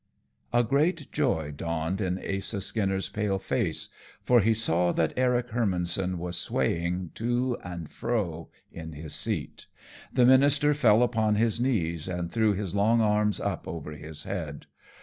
_" A great joy dawned in Asa Skinner's pale face, for he saw that Eric Hermannson was swaying to and fro in his seat. The minister fell upon his knees and threw his long arms up over his head.